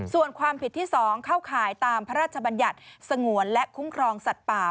ส่วนความผิดที่๒เข้าข่ายตามพระราชบัญญัติสงวนและคุ้มครองสัตว์ป่า